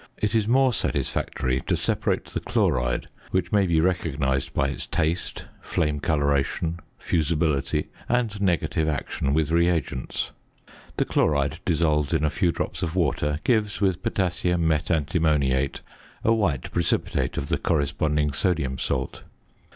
It is more satisfactory to separate the chloride, which may be recognised by its taste, flame coloration, fusibility, and negative action with reagents. The chloride dissolved in a few drops of water gives with potassium metantimoniate, a white precipitate of the corresponding sodium salt.